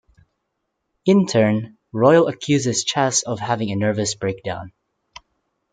In turn, Royal accuses Chas of having a nervous breakdown.